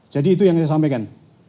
itu yang saya sampaikan